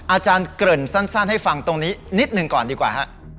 อาจารย์เกริ่นสั้นให้ฟังตรงนี้นิดหนึ่งก่อนดีกว่าฮะ